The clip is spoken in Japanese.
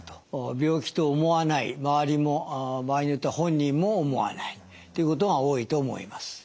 病気と思わない周りも場合によっては本人も思わないということが多いと思います。